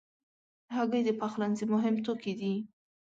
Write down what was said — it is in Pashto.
هګۍ د پخلنځي مهم توکي دي.